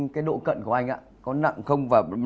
cái độ cận của anh ạ có nặng không